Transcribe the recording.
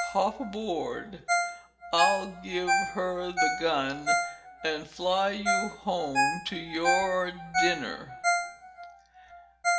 Hop aboard. I'll give her the gun and fly you home to your dinner."